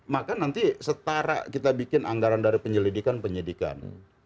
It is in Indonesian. maka nanti setara kita bikin anggaran dari penyelidikan penyidikan